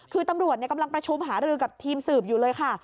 คือตำรวจกำลังประชุมหารือกับทีมสืบอยู่เลยค่ะ